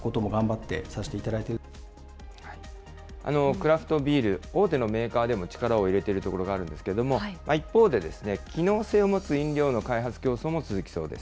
クラフトビール、大手のメーカーでも力を入れているところがあるんですけれども、一方で、機能性を持つ飲料の開発競争も続きそうです。